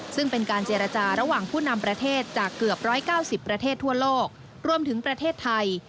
ซึ่งเป็นการเจรจาระหว่างผู้นำประเทศจากเกือบ๑๙๐ประเทศทั่วโลกรวมถึงประเทศไทย